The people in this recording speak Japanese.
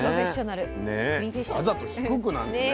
わざと低くなんですね。